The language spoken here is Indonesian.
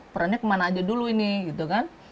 perannya kemana aja dulu ini gitu kan